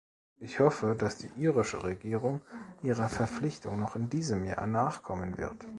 Ich hoffe, dass die irische Regierung ihrer Verpflichtung noch in diesem Jahr nachkommen wird.